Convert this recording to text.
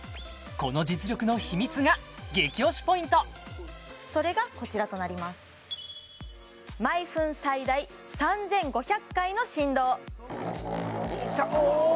この実力の秘密が激推しポイントそれがこちらとなります毎分最大３５００回の振動おお